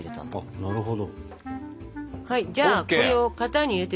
なるほど。